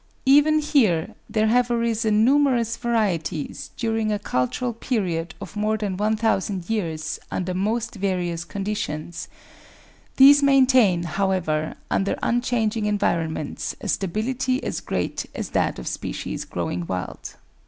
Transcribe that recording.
Even here there have arisen numerous varieties during a cultural period of more than 1000 years under most various conditions; these maintain, however, under unchanging environments a stability as great as that of species growing wild.